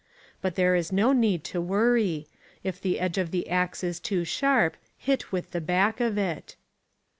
But there is no need to worry. If the edge of the axe is too sharp, hit with the back of it.